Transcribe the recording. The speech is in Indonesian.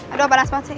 aduh panas banget sih